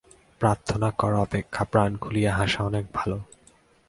প্রার্থনা করা অপেক্ষা প্রাণ খুলিয়া হাসা অনেক ভাল।